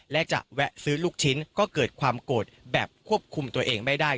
และจะแวะซื้อลูกชิ้นก็เกิดความโกรธแบบควบคุมตัวเองไม่ได้